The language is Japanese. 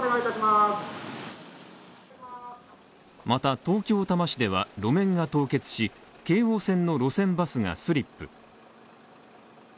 また東京・多摩市では、路面が凍結し、京王線の路線バスがスリップ。